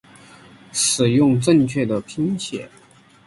使用正确的拼写